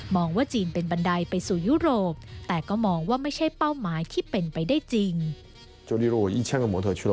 ว่าจีนเป็นบันไดไปสู่ยุโรปแต่ก็มองว่าไม่ใช่เป้าหมายที่เป็นไปได้จริง